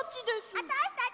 あたしたち！